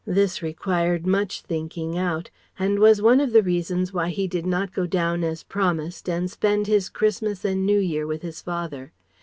This required much thinking out, and was one of the reasons why he did not go down as promised and spend his Christmas and New Year with his father.